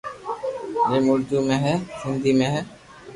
جيم اردو ۾ ھي سندھي ۾ ھي